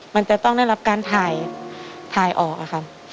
มันจะต้องได้รับการถ่ายออกค่ะ